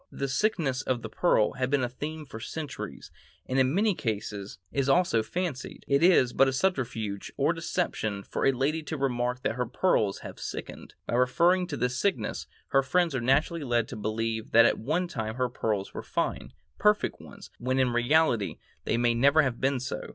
The sickness of the pearl has been a theme for centuries, and in many cases is only fancied. It is but a subterfuge or deception for a lady to remark that her pearls have sickened; by referring to this sickness, her friends are naturally led to believe that at one time her pearls were fine, perfect ones, when in reality they may never have been so.